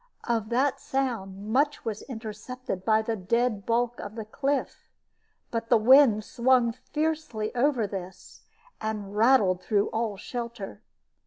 Of that sound much was intercepted by the dead bulk of the cliff, but the wind swung fiercely over this, and rattled through all shelter.